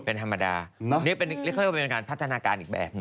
เป็นธรรมดานี่เขาเรียกว่าเป็นการพัฒนาการอีกแบบหนึ่ง